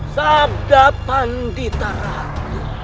sabda pandita ratu